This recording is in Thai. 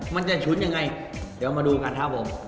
มันจะฉุนยังไงเดี๋ยวมาดูกันครับผม